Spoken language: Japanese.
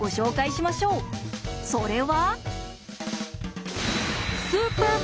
それは。